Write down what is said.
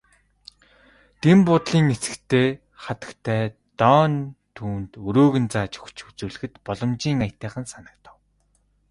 Дэн буудлын эзэгтэй хатагтай Дооне түүнд өрөөг нь зааж өгч үзүүлэхэд боломжийн аятайхан санагдав.